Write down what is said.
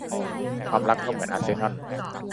ความรักก็เหมือนอาร์เซนอล